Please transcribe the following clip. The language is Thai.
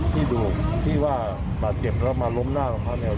ที่ดูที่ว่าบัตรเก็บแล้วมาล้มหน้าของภาคแนว